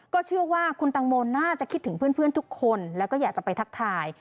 เชื่อว่าคุณตังโมน่าจะคิดถึงเพื่อนทุกคนแล้วก็อยากจะไปทักทาย